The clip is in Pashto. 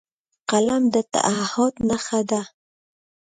قلم د تعهد نښه ده